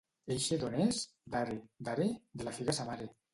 —Eixe d'on és? —D'Are. —D'Are? —De la figa sa mare.